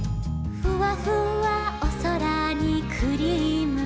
「ふわふわおそらにクリームだ」